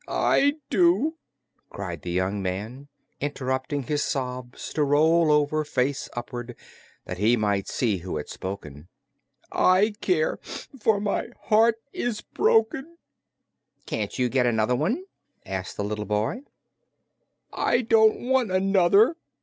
"I do!" cried the young man, interrupting his sobs to roll over, face upward, that he might see who had spoken. "I care, for my heart is broken!" "Can't you get another one?" asked the little boy. "I don't want another!"